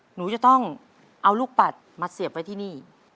หนูจะต้องเอาลูกปัดมาเสียบไว้ที่นี่